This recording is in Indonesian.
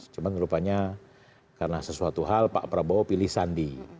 cuma rupanya karena sesuatu hal pak prabowo pilih sandi